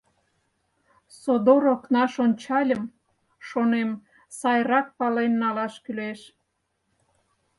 Содор окнаш ончальым, шонем, сайрак пален налаш кӱлеш.